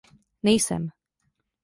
Nejsem.